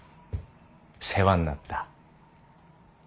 世話になった。